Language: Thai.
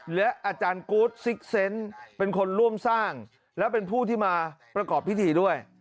และอาจารย์กู๊ดซิกเซนต์เป็นคนร่วมสร้างและเป็นผู้ที่มาประกอบพิธีด้วย